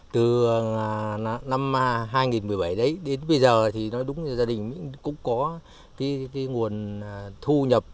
từ năm hai nghìn một mươi bảy đấy đến bây giờ thì nói đúng là gia đình cũng có cái nguồn thu nhập